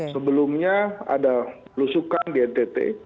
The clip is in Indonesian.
sebelumnya ada lusukan di ntt